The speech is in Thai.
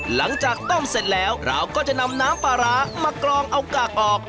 หลังจากต้มเสร็จแล้วเราก็จะนำน้ำปลาร้ามากรองเอากากออก